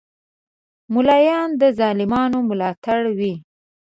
مولایان د ظالمانو ملاتړ وی